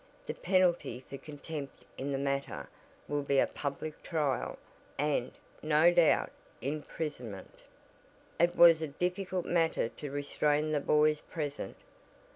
The penalty for contempt in the matter will be a public trial, and, no doubt, imprisonment." It was a difficult matter to restrain the boys present.